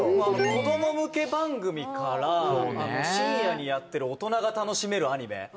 子ども向け番組から深夜にやってる大人が楽しめるアニメ